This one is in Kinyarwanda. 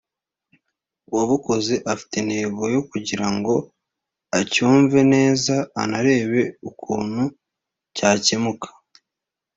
uwabukoze afite intego yo kugira ngo acyumve neza anarebe ukuntu cyakemuka